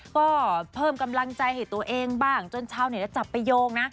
ก็เพิ่มกำลังใจให้ตัวเองบ้างจนชาวเน็ตจะจับไปโยงนะ